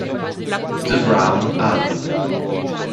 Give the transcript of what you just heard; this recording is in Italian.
The Brown Album